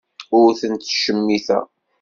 Ur tent-ttcemmiteɣ.